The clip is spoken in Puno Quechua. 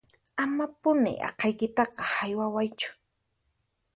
Amapuni aqhaykitaqa haywawaychu